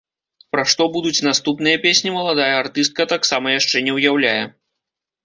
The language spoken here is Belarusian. Пра што будуць наступныя песні, маладая артыстка таксама яшчэ не ўяўляе.